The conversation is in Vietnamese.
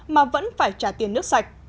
mà vẫn phải trả tiền nước sạch